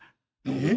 え？